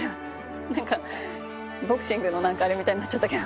何かボクシングのあれみたいになっちゃったけど。